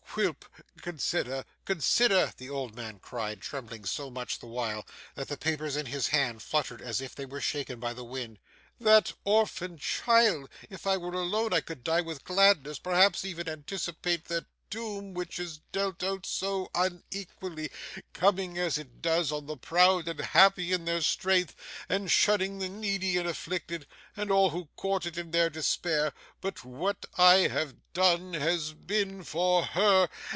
Quilp, consider, consider,' the old man cried, trembling so much the while, that the papers in his hand fluttered as if they were shaken by the wind, 'that orphan child! If I were alone, I could die with gladness perhaps even anticipate that doom which is dealt out so unequally: coming, as it does, on the proud and happy in their strength, and shunning the needy and afflicted, and all who court it in their despair but what I have done, has been for her.